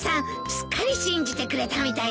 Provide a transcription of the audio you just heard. すっかり信じてくれたみたいだね。